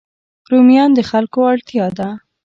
رومیان د خلکو اړتیا ده